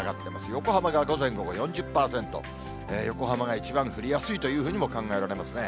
横浜が午前午後４０％、横浜が一番降りやすいというふうにも考えられますね。